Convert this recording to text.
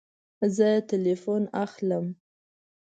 زه تلیفون اخلم